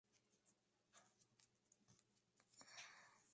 Con esta los humanos se dieron un banquete y acabaron con el hambre.